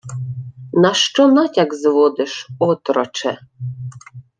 — На що натяк зводиш, отроче?